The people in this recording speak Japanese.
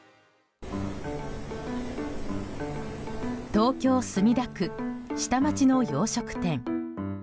東京・墨田区、下町の洋食店。